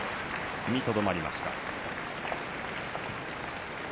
踏みとどまりました。